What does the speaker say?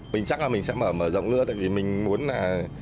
mình chắc là mình sẽ mở mở rộng lứa tại vì mình muốn là